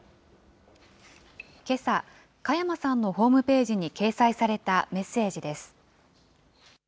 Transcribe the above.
けさ、加山さんのホームページに掲載されたメッセージです。